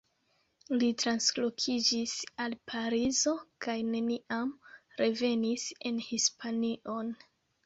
Li translokiĝis al Parizo, kaj neniam revenis en Hispanion.